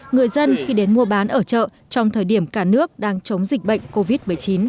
người dân khi đến mua bán ở chợ trong thời điểm cả nước đang chống dịch bệnh covid một mươi chín